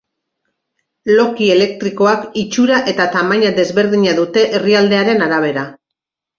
Loki elektrikoak itxura eta tamaina desberdina dute herrialdearen arabera.